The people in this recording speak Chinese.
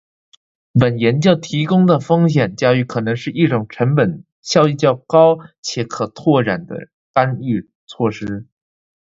本研究提供的风险教育可能是一种成本效益高且可扩展的干预措施